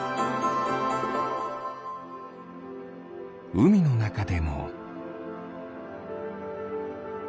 うみのなかでも。